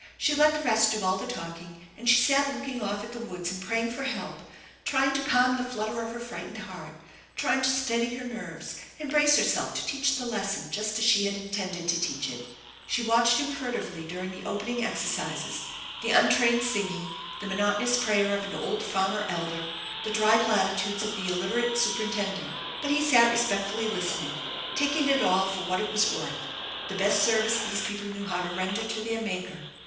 She let the rest do all the talking, and she sat looking off at the woods and praying for help, trying to calm the flutter of her frightened heart, trying to steady her nerves and brace her self to teach the lesson just as she had intended to teach it. She watched him furtively during the opening exercises, the untrained singing, the monotonous prayer of an old farmer elder, the dry platitudes of the illiterate superintend THE ENCHANTED BARN 218 ent ; but he sat respectfully listening, taking it all for what it was worth, the best service these people knew how to render to their Maker.